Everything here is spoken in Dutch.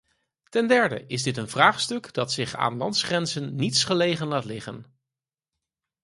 Ten derde is dit een vraagstuk dat zich aan landsgrenzen niets gelegen laat liggen.